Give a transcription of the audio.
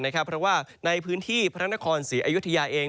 เพราะว่าในพื้นที่พระนครศรีอยุธยาเอง